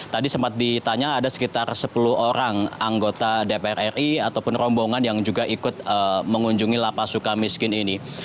tadi sempat ditanya ada sekitar sepuluh orang anggota dpr ri ataupun rombongan yang juga ikut mengunjungi lapas suka miskin ini